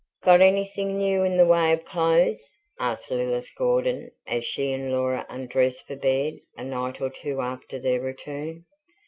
"Got anything new in the way of clothes?" asked Lilith Gordon as she and Laura undressed for bed a night or two after their return.